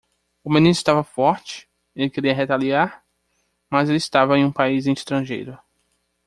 O menino estava forte? e queria retaliar?, mas ele estava em um país estrangeiro.